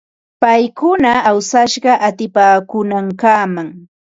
Paykuna awsashqa utipaakuunankamam.